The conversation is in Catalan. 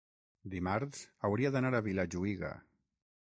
dimarts hauria d'anar a Vilajuïga.